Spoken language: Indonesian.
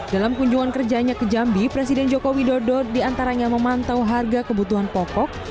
dalam kunjungan kerjanya ke jambi presiden jokowi dodot di antaranya memantau harga kebutuhan pokok